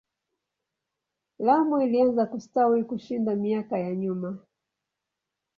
Lamu ilianza kustawi kushinda miaka ya nyuma.